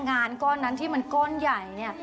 งานก้อนนั้นที่มันก้อนใหญ่เนี่ย